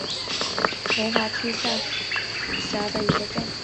城西镇是中国海南省海口市龙华区下辖的一个镇。